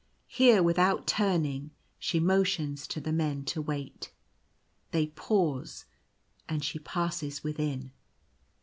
Here, without turning, she mo tions to the men to wait. They pause and she passes within.